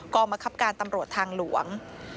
กรรมคับการตำรวจทางหลวง